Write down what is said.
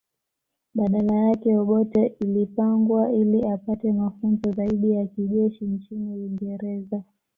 Badala yake Obote ilipangwa ili apate mafunzo zaidi ya kijeshi nchini Uingereza